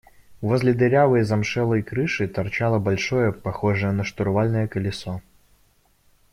Возле дырявой замшелой крыши торчало большое, похожее на штурвальное, колесо.